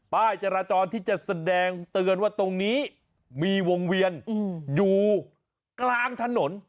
ป้ายจราจรที่จะแสดงเตือนว่าตรงนี้มีวงเวียนอยู่กลางถนน